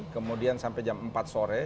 kemudian sampai jam empat sore